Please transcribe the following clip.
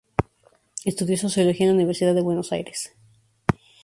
Estudió sociología en la Universidad de Buenos Aires.